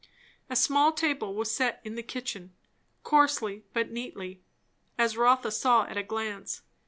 A small table was set in the kitchen, coarsely but neatly, as Rotha saw at a glance.